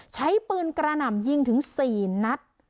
ใช้ปืนกระหน่ำยิงถึง๔นัด